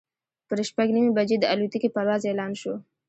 پر شپږ نیمې بجې د الوتکې پرواز اعلان شو.